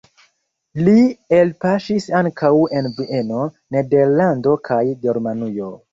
Li elpaŝis ankaŭ en Vieno, Nederlando kaj Germanujo.